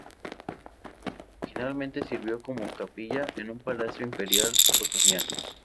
Originalmente sirvió como capilla en un palacio imperial otoniano.